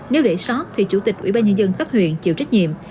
nếu để sót thì chủ tịch ủy ban nhân dân cấp huyện chịu trách nhiệm